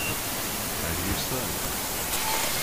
How do you sew?